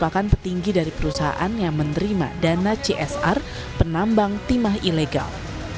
merupakan petinggi dari perusahaan yang menerima dana csr penambang timah ilegal